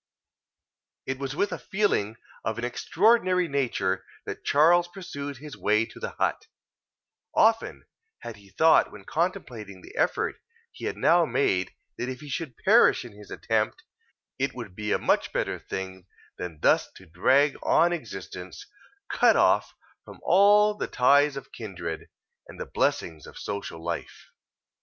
It was with a feeling of an extraordinary nature that Charles pursued his way to the hut; often had he thought, when contemplating the effort he had now made, that if he should perish in his attempt, it would be a much better thing than thus to drag on existence, cut off from all the ties of kindred, and the blessings of social life.